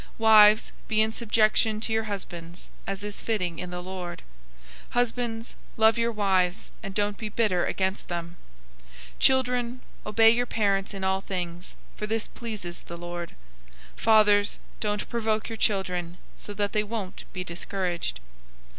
003:018 Wives, be in subjection to your husbands, as is fitting in the Lord. 003:019 Husbands, love your wives, and don't be bitter against them. 003:020 Children, obey your parents in all things, for this pleases the Lord. 003:021 Fathers, don't provoke your children, so that they won't be discouraged.